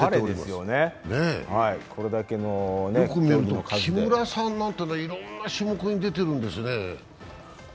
よく見ると、木村さんなんてのは、いろいろな種目に出てるんですね。